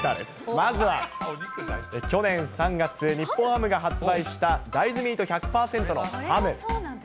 まずは、去年３月、日本ハムが発売した大豆ミート１００％のハム。